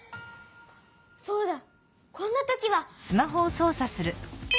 そうだこんなときは！